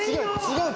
違う。